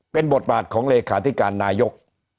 เป็นบทบาทของเลขาธิการนายก